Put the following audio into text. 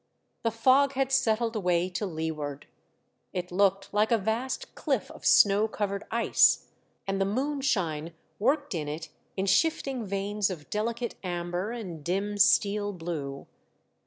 The fog had settled away to leeward ; it looked like a vast cliff of snow covered ice, and the moon shine worked in it in shiftinQ veins of delicate amber and dim steel blue.